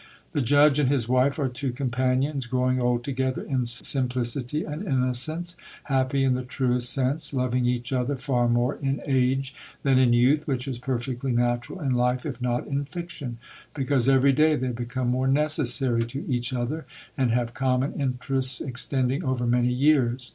The judge and his wife are two companions, growing old together in simplicity and innocence, happy in the truest sense loving each other far more in age than in youth, which is perfectly natural in life if not in fiction; because every day they become more necessary to each other and have common interests extending over many years.